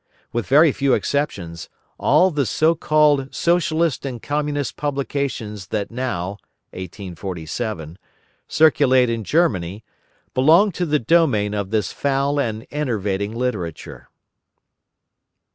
With very few exceptions, all the so called Socialist and Communist publications that now (1847) circulate in Germany belong to the domain of this foul and enervating literature.